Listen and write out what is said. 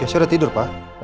geisha udah tidur pak